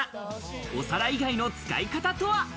お皿以外の使い方とは？